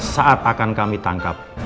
saat akan kami tangkap